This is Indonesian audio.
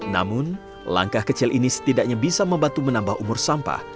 namun langkah kecil ini setidaknya bisa membantu menambah umur sampah